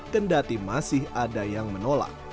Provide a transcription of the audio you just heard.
kendati masih ada yang menolak